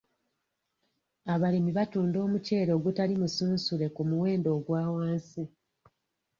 Abalimi batunda omuceere ogutali musunsule ku muwendo ogwa wansi.